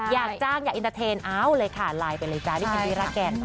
อยากจ้างอยากอินเตอร์เทนเอ้าเลยค่ะไลน์ไปเลยจ๊ะพี่แคนดี้ราแกน